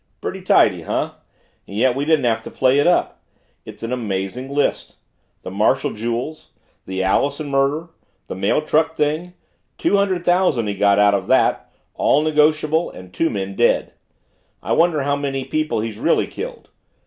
"Pretty tidy huh and yet we didn't have to play it up. It's an amazing list the Marshall jewels the Allison murder the mail truck thing two hundred thousand he got out of that, all negotiable, and two men dead. I wonder how many people he's really killed.